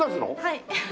はい。